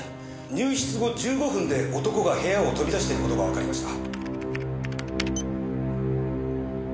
入室後１５分で男が部屋を飛び出してる事がわかりました。